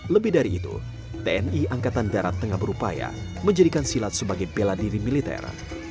lebih dari itu tni angkatan darat tengah berupaya menjadikan silat sebagai bela diri militer